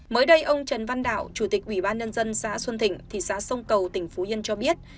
mới đây ông trần văn đạo chủ tịch ủy ban nhân dân xã xuân thịnh thị xã sông cầu tỉnh phú yên cho biết